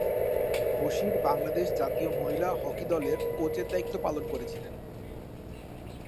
বশির বাংলাদেশ জাতীয় মহিলা হকি দলের কোচের দায়িত্ব পালন করেছিলেন।